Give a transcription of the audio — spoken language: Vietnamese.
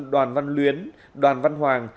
đoàn văn luyến đoàn văn hoàng